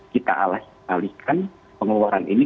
kita alihkan pengeluaran ini